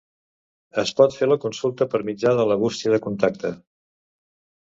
Es pot fer la consulta per mitjà de la bústia de contacte.